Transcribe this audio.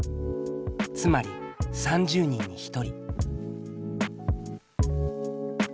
つまり３０人に１人。